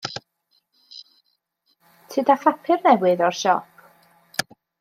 Tyd â phapur newydd o'r siop.